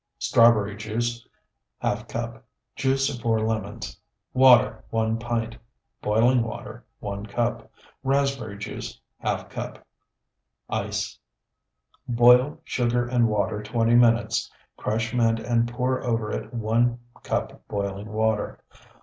Strawberry juice, ½ cup. Juice of 4 lemons. Water, 1 pint. Boiling water, 1 cup. Raspberry juice, ½ cup. Ice. Boil sugar and water twenty minutes; crush mint and pour over it one cup boiling water.